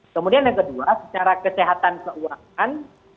kemudian yang kedua secara kesehatan keuangan